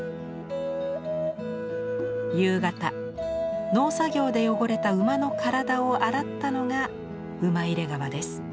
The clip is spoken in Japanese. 夕方農作業で汚れた馬の体を洗ったのがウマイレガワです。